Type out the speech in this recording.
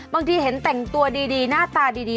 บางทีเห็นแต่งตัวดีหน้าตาดี